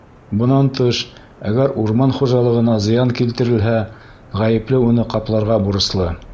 Бынан тыш, әгәр урман хужалығына зыян килтерелһә, ғәйепле уны ҡапларға бурыслы.